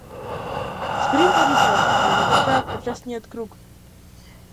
Спринтери сме, кои го трчаат почесниот круг.